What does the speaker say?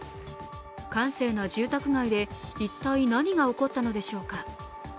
閑静な住宅街で一体、何が起こったのでしょうか。